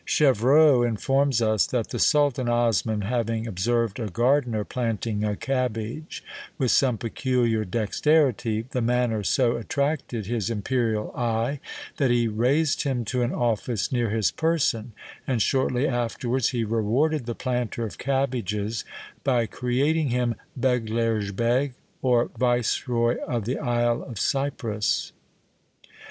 Chevreau informs us that the Sultan Osman having observed a gardener planting a cabbage with some peculiar dexterity, the manner so attracted his imperial eye that he raised him to an office near his person, and shortly afterwards he rewarded the planter of cabbages by creating him beglerbeg or viceroy of the Isle of Cyprus.